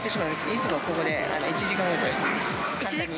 いつもここで１時間ぐらい、簡単に。